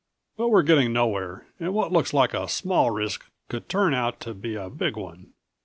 But we're getting nowhere, and what looks like a small risk could turn out to be a big one.